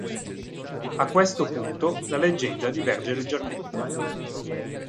A questo punto la leggenda diverge leggermente.